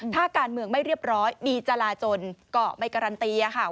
ถ้าการเมืองไม่เรียบร้อยมีจราจนก็ไม่การันตีค่ะ